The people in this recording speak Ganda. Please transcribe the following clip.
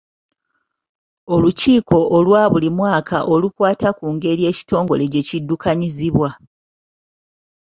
Olukiiko olwa buli mwaka olukwata ku ngeri ekitongole gye kiddukanyizibwa.